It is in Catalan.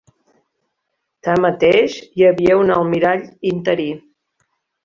Tanmateix, hi havia un almirall interí.